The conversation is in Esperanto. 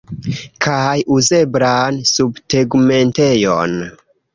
Kaj uzeblan subtegmentejon.